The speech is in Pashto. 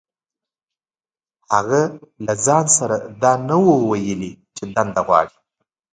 هغه له ځان سره دا نه وو ويلي چې دنده غواړي.